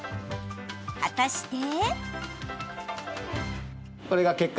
果たして。